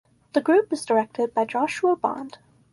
The group is directed by Joshua Bond.